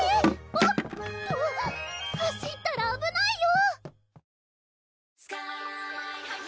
・おっと走ったらあぶないよ！